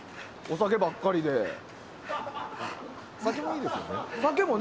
酒もいいですよね。